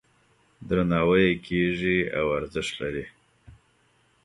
درناوی یې کیږي او ارزښت لري.